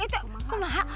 itu ke mana